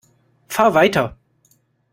Fahr weiter!